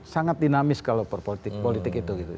sangat dinamis kalau politik itu gitu